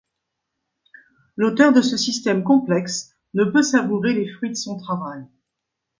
L'auteur de ce système complexe ne peut savourer les fruits de son travail.